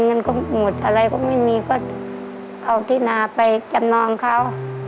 เงินก็หมดอะไรก็ไม่มีก็เอาที่นาไปจำนองเขา